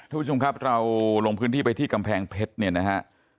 ทุกผู้ชมครับเราลงพื้นที่ไปที่กำแพงเพชรเนี่ยนะฮะ